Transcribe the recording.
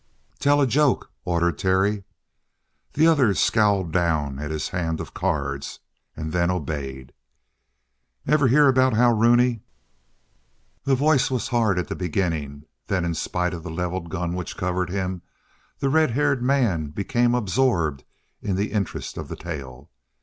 "Tell a joke," ordered Terry. The other scowled down at his hand of cards and then obeyed. "Ever hear about how Rooney " The voice was hard at the beginning; then, in spite of the levelled gun which covered him, the red haired man became absorbed in the interest of the tale.